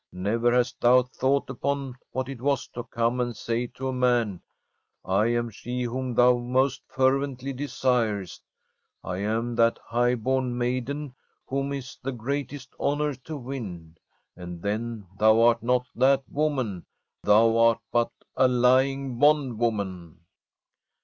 Never hast thou thought upon what it was to come and say to a man :" I am she whom thou most fervently desirest ; I am that high bom maiden whom it is the greatest honour to win." And then thou art not that woman ; thou art but a lying bondwoman.'